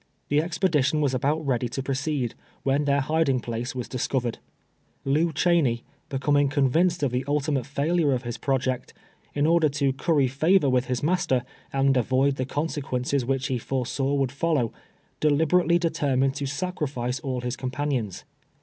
The expedition was about ready to pro ceed, when their hiding place was discovered. Lew Cheney, becoming convinced of the ultimate failure of his project, in order to curry favor with his master, and avoid the consequences which he foresaw would follow, deliberately determined to sacrifice all his companions.